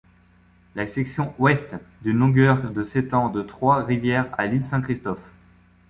La section Ouest, d'une longueur de s'étend de Trois-Rivières à l'île Saint-Christophe.